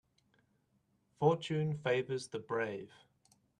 Fortune favours the brave.